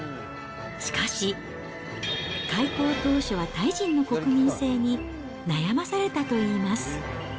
しかし、開校当初はタイ人の国民性に悩まされたといいます。